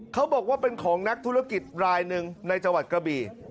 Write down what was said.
เขาบอกว่าเป็นของนักธุรกิจรายหนึ่งในจังหวัดกระบี่